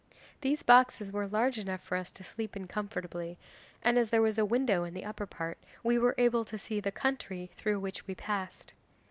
These boxes were large enough for us to sleep in comfortably, and as there was a window in the upper part, we were able to see the country through which we passed.